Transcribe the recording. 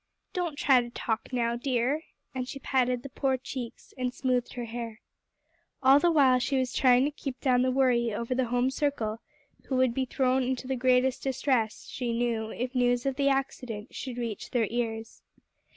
Don't try to talk now, dear," and she patted the poor cheeks, and smoothed her hair. All the while she was trying to keep down the worry over the home circle who would be thrown into the greatest distress, she knew, if news of the accident should reach their ears.